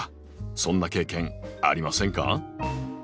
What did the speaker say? そんな経験ありませんか？